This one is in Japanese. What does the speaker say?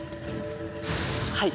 はい。